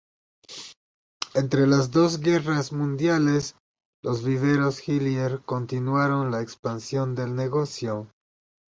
Entre las dos guerras mundiales los viveros Hillier continuaron la expansión del negocio.